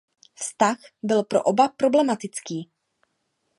Vztah byl pro oba problematický.